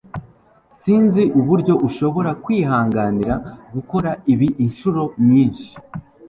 Sinzi uburyo ushobora kwihanganira gukora ibi inshuro nyinshi